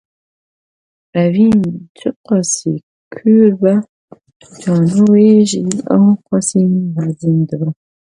Evîn çi qasî kûr be, jana wê jî ew qasî mezin dibe.